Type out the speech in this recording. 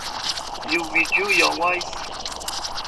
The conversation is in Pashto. - یو ویډیو یا Voice 🎧